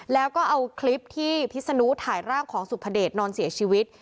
แล้วก็เอาคลิปที่พิศนุถ่ายร่างของสุภเดชนอนเสียชีวิต